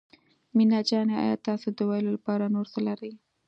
مينه جانې آيا تاسو د ويلو لپاره نور څه لرئ.